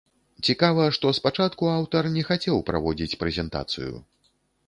Цікава, што спачатку аўтар не хацеў праводзіць прэзентацыю.